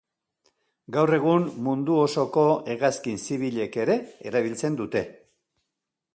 Gaur egun, mundu osoko hegazkin zibilek ere erabiltzen dute.